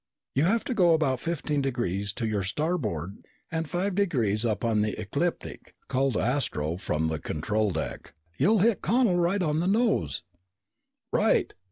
"You have to go about fifteen degrees to your starboard and five degrees up on the ecliptic," called Astro from the control deck. "You'll hit Connel right on the nose!" "Right!"